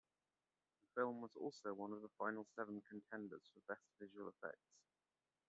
The film was also one of the final seven contenders for Best Visual Effects.